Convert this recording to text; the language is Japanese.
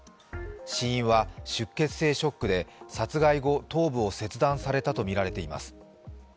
死因は出血性ショックで殺害後頭部を切断されたとみられています。